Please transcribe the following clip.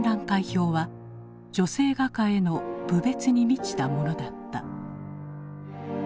評は女性画家への侮蔑に満ちたものだった。